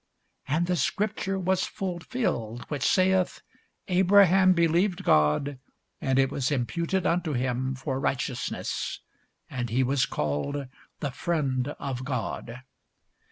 And the scripture was fulfilled which saith, Abraham believed God, and it was imputed unto him for righteousness: and he was called the Friend of God.